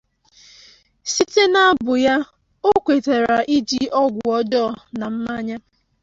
Site na abụ ya, o kwetara iji ọgwụ ọjọọ na mmanya.